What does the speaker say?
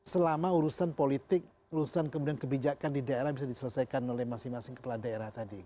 selama urusan politik urusan kemudian kebijakan di daerah bisa diselesaikan oleh masing masing kepala daerah tadi